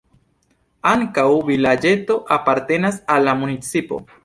Ankaŭ vilaĝeto apartenas al la municipo.